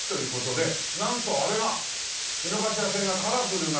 なんとあれが井の頭線がカラフルな